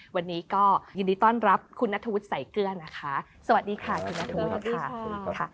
วันนี้ก็ยินดีต้อนรับคุณนัทธวุฒิใส่เกลื้อนะคะสวัสดีค่ะคุณนัทธวุฒิ